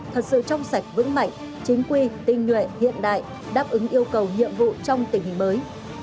thật sự trong sạch vững mạnh chính quy tinh nhuệ hiện đại đáp ứng yêu cầu nhiệm vụ trong tình hình mới